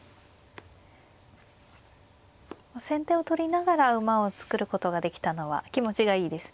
先手を取りながら馬を作ることができたのは気持ちがいいですね。